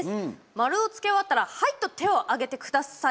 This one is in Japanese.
丸をつけ終わったらはい、と手を挙げてください。